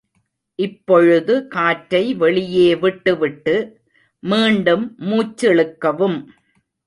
இப்பொழுது காற்றை வெளியே விட்டு விட்டு, மீண்டும் மூச்சிழுக்கவும்.